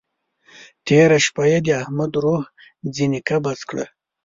تېره شپه يې د احمد روح ځينې قبض کړه.